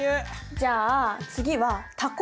じゃあ次はえっ？